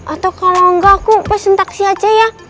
atau kalo enggak aku pesen taksi aja ya